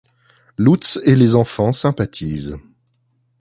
Lutz et les enfants sympathisent.